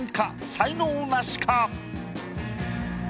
才能ナシか？